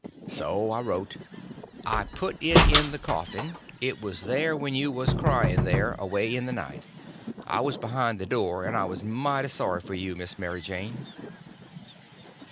So I wrote: "I put it in the coffin. It was in there when you was crying there, away in the night. I was behind the door, and I was mighty sorry for you, Miss Mary Jane."